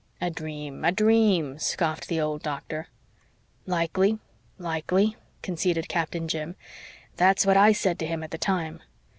"A dream a dream," scoffed the old Doctor. "Likely likely," conceded Captain Jim. "That's what I said to him at the time.